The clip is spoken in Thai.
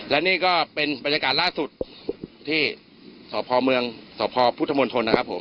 และนี่ก็เป็นบรรยากาศล่าสุดที่สพเมืองสพพุทธมนตรนะครับผม